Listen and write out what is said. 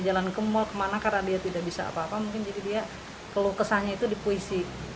jalan kemul kemana karena dia tidak bisa apa apa mungkin jadi dia perlu kesannya itu di puisi